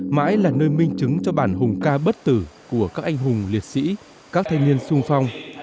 mãi là nơi minh chứng cho bản hùng ca bất tử của các anh hùng liệt sĩ các thanh niên sung phong